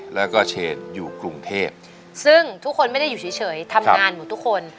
แล้วก็เชนอยู่กรุงเทพซึ่งทุกคนไม่ได้อยู่เฉยทำงานหมดทุกคน